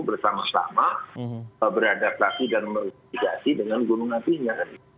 bersama sama beradaptasi dan merevisi dengan gunung apinya